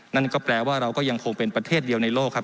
นั่นก็แปลว่าเราก็ยังคงเป็นประเทศเดียวในโลกครับ